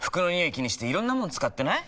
気にしていろんなもの使ってない？